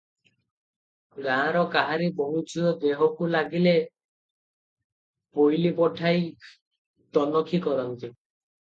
ଗାଁର କାହାରି ବୋହୂଝିଅ ଦେହକୁ ଲାଗିଲେ ପୋଇଲି ପଠାଇ ତନଖି କରନ୍ତି ।